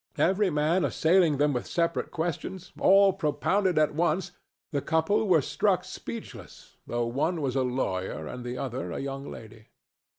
Every man assailing them with separate questions, all propounded at once, the couple were struck speechless, though one was a lawyer and the other a young lady.